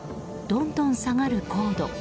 どんどん下がる高度。